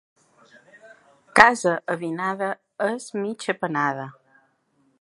Casa avinada és mig apanada.